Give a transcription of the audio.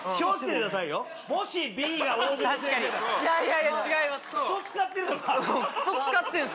いやいや違います！